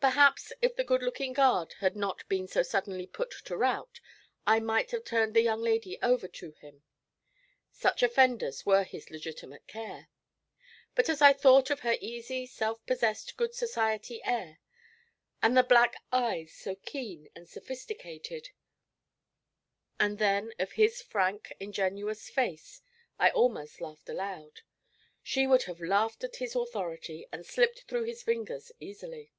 Perhaps if the good looking guard had not been so suddenly put to rout I might have turned the young lady over to him; such offenders were his legitimate care. But as I thought of her easy, self possessed, good society air, and the black eyes so keen and sophisticated, and then of his frank, ingenuous face, I almost laughed aloud. She would have laughed at his authority, and slipped through his fingers easily.